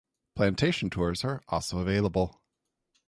Plantation tours are also available.